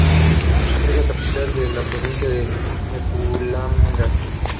Es la capital de la Provincia de Mpumalanga.